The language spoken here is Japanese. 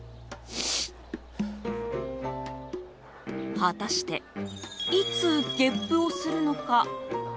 果たしていつ、げっぷをするのか。